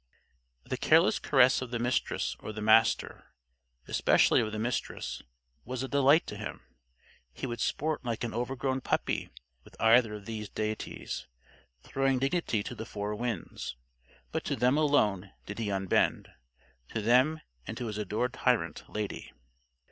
The careless caress of the Mistress or the Master especially of the Mistress was a delight to him. He would sport like an overgrown puppy with either of these deities; throwing dignity to the four winds. But to them alone did he unbend to them and to his adored tyrant, Lady.